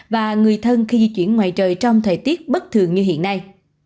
và người thân khi di chuyển ngoài trời trong thời tiết bất thường như hiện nay